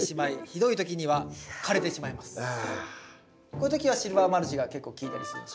こういう時はシルバーマルチが結構効いたりするんですか？